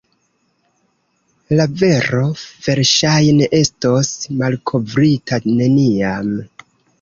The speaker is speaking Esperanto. La vero verŝajne estos malkovrita neniam.